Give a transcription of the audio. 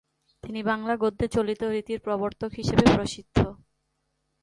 তিনি বাংলা গদ্যে চলিত রীতির প্রবর্তক হিসাবে প্রসিদ্ধ।